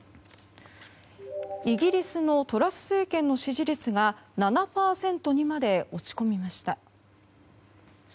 イギリスのトラス政権の支持率が７％にまで落ち込みました。